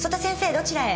どちらへ？